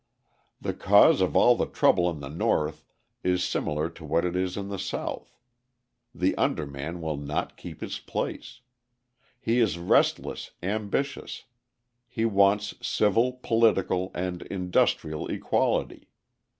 The cause of all the trouble in the North is similar to what it is in the South: the underman will not keep his place. He is restless, ambitious, he wants civil, political, and industrial equality.